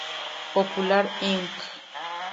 Popular, Inc.